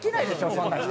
そんな人。